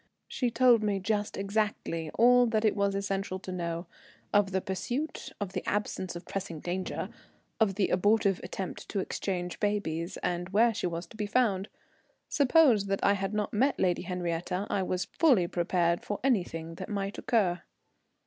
She told me just exactly all that it was essential to know: of the pursuit, of the absence of pressing danger, of the abortive attempt to exchange babies, and where she was to be found. Suppose that I had not met Lady Henriette, I was fully prepared for anything that might occur.